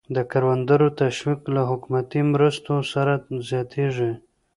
د کروندګرو تشویق له حکومتي مرستو سره زیاتېږي.